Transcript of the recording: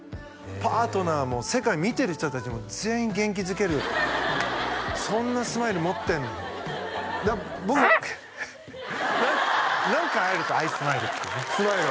パートナーも世界見てる人達も全員元気づけるそんなスマイル持ってんのだから僕も何かあると愛スマイルっていうねスマイル？